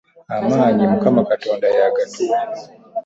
Amaanyi Mukama Katonda yagatuwa.